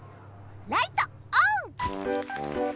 ライトオン！